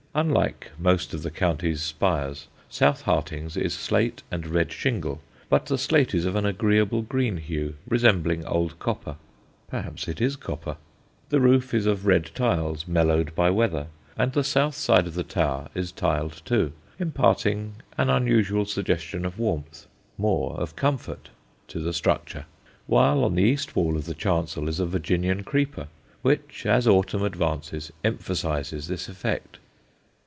Unlike most of the county's spires, South Harting's is slate and red shingle, but the slate is of an agreeable green hue, resembling old copper. (Perhaps it is copper.) The roof is of red tiles mellowed by weather, and the south side of the tower is tiled too, imparting an unusual suggestion of warmth more, of comfort to the structure; while on the east wall of the chancel is a Virginian creeper, which, as autumn advances, emphasises this effect.